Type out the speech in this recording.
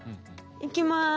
いきます。